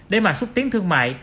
để mà xuất tiến thương mại